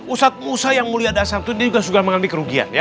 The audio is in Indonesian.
ustaz musa yang mulia dasar itu juga suka mengalami kerugian